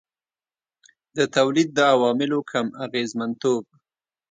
د تولید د عواملو کم اغېزمنتوب.